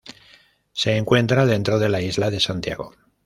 Se encuentra dentro de la isla de Santiago.